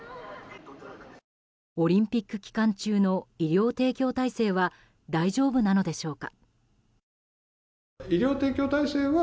オリンピック期間中の医療提供体制は大丈夫なのでしょうか。